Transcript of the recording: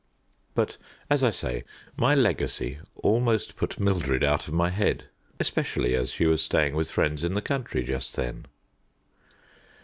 But, as I say, my legacy almost put Mildred out of my head, especially as she was staying with friends in the country just then.